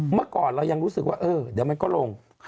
เมื่อก่อนเรายังรู้สึกว่าเดี๋ยวมันก็ลง